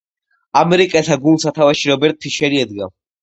ამერიკელთა გუნდს სათავეში რობერტ ფიშერი ედგა.